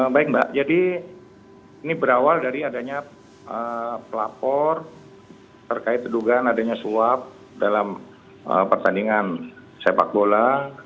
baik mbak jadi ini berawal dari adanya pelapor terkait dugaan adanya suap dalam pertandingan sepak bola